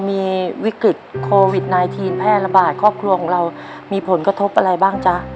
มีวิกฤตโควิด๑๙แพร่ระบาดครอบครัวของเรามีผลกระทบอะไรบ้างจ๊ะ